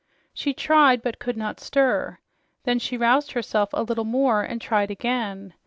She tried, but could not stir. Then she roused herself a little more and tried again.